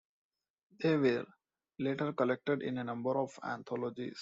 They were later collected in a number of anthologies.